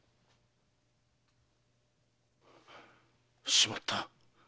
しまった！